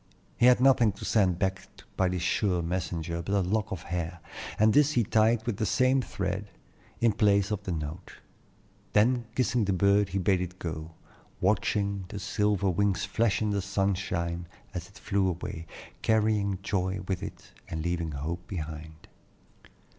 He had nothing to send back by this sure messenger but a lock of hair, and this he tied with the same thread, in place of the note. Then kissing the bird he bade it go, watching the silver wings flash in the sunshine as it flew away, carrying joy with it and leaving hope behind.